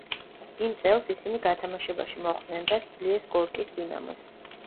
იმ წელს ისინი გათამაშებაში მოხვდნენ და სძლიეს გორკის „დინამოს“.